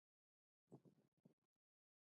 په دې کې د اومو موادو ارزښت هم شامل دی